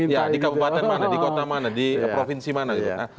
ya di kabupaten mana di kota mana di provinsi mana gitu